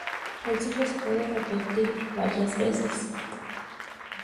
El ciclo se puede repetir varias veces.